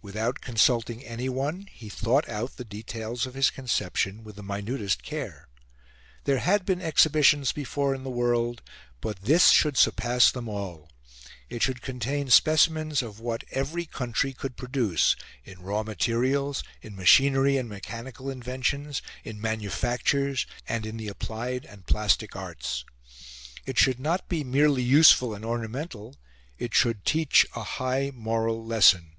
Without consulting anyone, he thought out the details of his conception with the minutest care. There had been exhibitions before in the world, but this should surpass them all. It should contain specimens of what every country could produce in raw materials, in machinery and mechanical inventions, in manufactures, and in the applied and plastic arts. It should not be merely useful and ornamental; it should teach a high moral lesson.